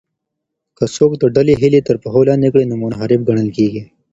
که څوک د ډلې هیلې تر پښو لاندې کړي نو منحرف ګڼل کیږي.